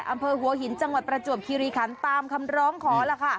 อำเภอหัวหินจังหวัดประจวบคิริคันตามคำร้องขอล่ะค่ะ